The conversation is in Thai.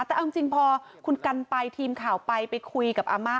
แต่เอาจริงพอคุณกันไปทีมข่าวไปไปคุยกับอาม่า